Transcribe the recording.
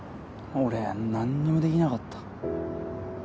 俺何にもできなかった。